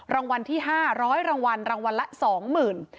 รางวัลที่๕๐๐รางวัลรางวัลละ๒๐๐๐บาท